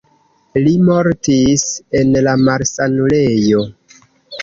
Li mortis en la malsanulejo.